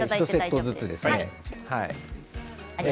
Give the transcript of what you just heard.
１セットずつです。